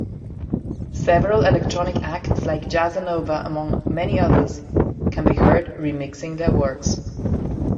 Several electronic acts like Jazzanova among many others, can be heard remixing their works.